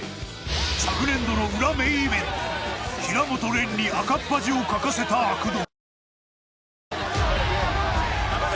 昨年度の裏メインイベント平本蓮に赤っ恥をかかせた悪童。